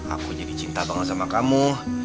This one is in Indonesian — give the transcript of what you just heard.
aku jadi cinta banget sama kamu